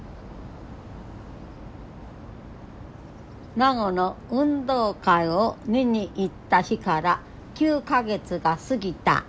孫の運動会を見に行った日から９か月が過ぎた。